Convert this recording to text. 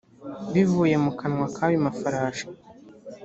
bivuye mu kanwa kayo mafarashi